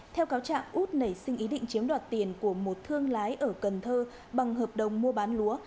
theo cáo trạng út nảy sinh ý định chiếm đoạt tiền của một thương lái ở cần thơ bằng hợp đồng mua bán lúa